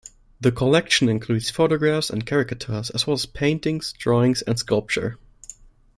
The collection includes photographs and caricatures as well as paintings, drawings and sculpture.